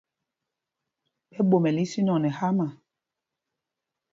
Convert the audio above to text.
Ɓɛ ɓomɛl ísínɔŋ nɛ hámâ.